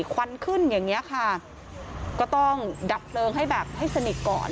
ควันขึ้นอย่างนี้ค่ะก็ต้องดับเพลิงให้แบบให้สนิทก่อน